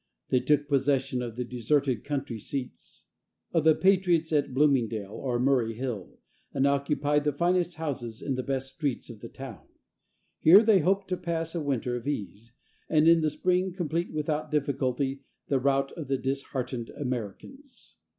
They took possession of the deserted country seats of the patriots at Bloomingdale or Murray Hill, and occupied the finest houses on the best streets of the town. Here they hoped to pass a winter of ease, and in the spring complete without difficulty the rout of the disheartened Americans.